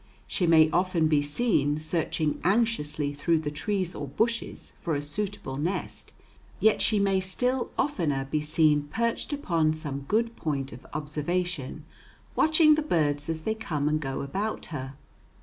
She may often be seen searching anxiously through the trees or bushes for a suitable nest, yet she may still oftener be seen perched upon some good point of observation watching the birds as they come and go about her.